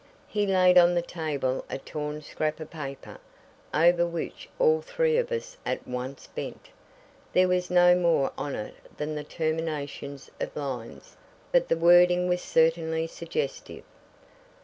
He laid on the table a torn scrap of paper, over which all three of us at once bent. There was no more on it than the terminations of lines but the wording was certainly suggestive